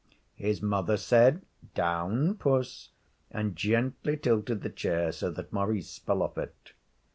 His mother said, 'Down, puss,' and gently tilted the chair so that Maurice fell off it.